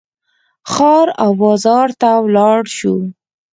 ښار او بازار ته ولاړ شو.